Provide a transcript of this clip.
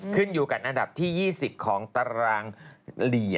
ขึ้นอยู่กับอันดับที่๒๐ของตารางเหลี่ย